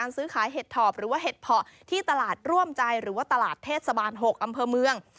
หรือว่าเห็ดถอบที่ตลาดร่วมใจหรือว่าตลาดเทศสะบาน๖อำเภอเมือง